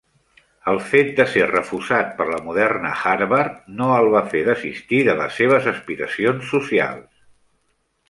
El fet de ser refusat per la moderna Harvard no el va fer desistir de les seves aspiracions socials.